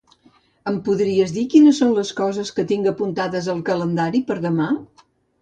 Em podries dir quines són les coses que tinc apuntades al calendari per demà?